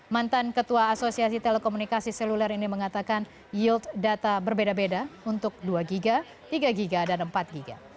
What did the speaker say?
mantan ketua asosiasi telekomunikasi seluler ini mengatakan yield data berbeda beda untuk dua giga tiga giga dan empat gb